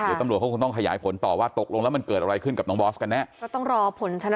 หรือตำรวจก็คงต้องขยายผลต่อว่าตกลงแล้วมันเกิดอะไรขึ้นกับน้องบอสกันนะ